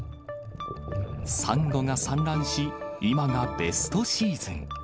サンゴが産卵し、今がベストシーズン。